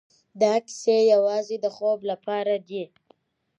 دا کيسې يوازې د خوب لپاره دي.